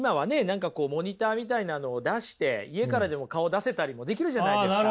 何かこうモニターみたいなのを出して家からでも顔を出せたりもできるじゃないですか。